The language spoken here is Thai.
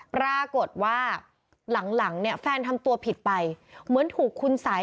ปรากฏว่าหลังหลังเนี่ยแฟนทำตัวผิดไปเหมือนถูกคุณสัย